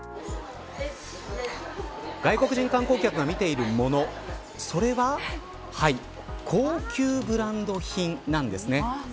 外国人観光客が見ているものそれは高級ブランド品なんです。